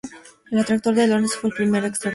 El Atractor de Lorenz fue el primer atractor extraño.